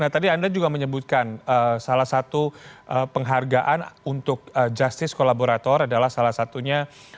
nah tadi anda juga menyebutkan salah satu penghargaan untuk justice kolaborator adalah salah satunya